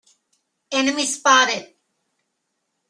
Enemy spotted!